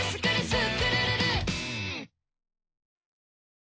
スクるるる！」